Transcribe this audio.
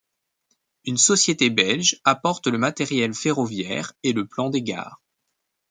Une société belge apporte le matériel ferroviaire et le plan des gares.